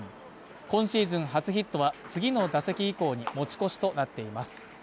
今シーズン初ヒットは、次の打席以降に持ち越しとなっています。